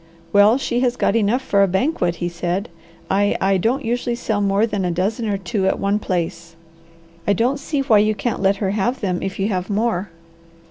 "Well she has got enough for a banquet," he said. "I I don't usually sell more than a dozen or two in one place." "I don't see why you can't let her have them if you have more."